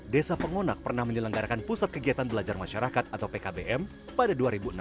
desa pengonak pernah menyelenggarakan pusat kegiatan belajar masyarakat atau pkbm pada dua ribu enam belas